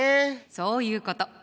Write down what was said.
そういうこと！